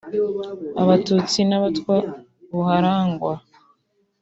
abatutsi n’abatwa buharangwa